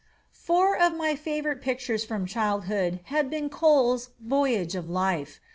Four of my favorite pictures from childhood have been Cole's "Voyage of Life."